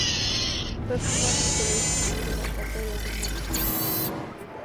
Fue fundado en el Colegio San Luis de La Plata de los Hermanos Maristas.